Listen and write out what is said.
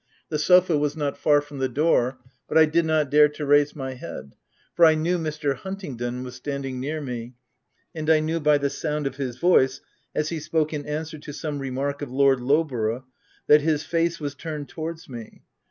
The sofa was not far from the door, but I did not dare to raise my head, for I knew Mr. Huntingdon was standing near me, and I knew by the sound of his voice, as he spoke in answer to some re mark of Lord Lowborough's, that his face was turned towards me.